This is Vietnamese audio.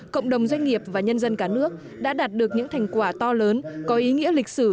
cộng đồng doanh nghiệp và nhân dân cả nước đã đạt được những thành quả to lớn có ý nghĩa lịch sử